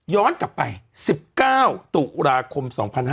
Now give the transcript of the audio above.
ย้อนกลับไป๑๙ตุลาคม๒๕๖๔